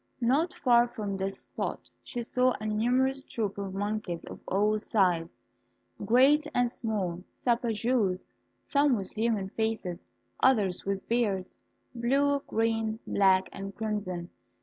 Not far from this spot she saw a numerous troop of monkeys of all sizes, great and small, sapajous, some with human faces, others with beards, blue, green, black, and crimson.